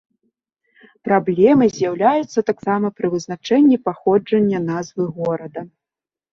Праблемы з'яўляюцца таксама пры вызначэнні паходжання назвы горада.